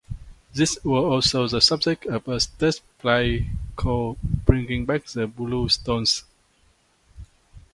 This was also the subject of a stage play called "Bringing Back the Bluestones".